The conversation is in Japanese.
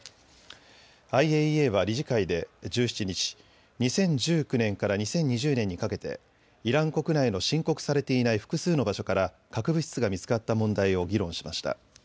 ＩＡＥＡは理事会で１７日、２０１９年から２０２０年にかけてイラン国内の申告されていない複数の場所から核物質が見つかった問題を議論しました。